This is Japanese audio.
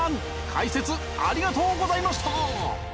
解説ありがとうございました！